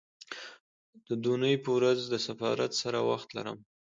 د دونۍ په ورځ د سفارت سره وخت لرم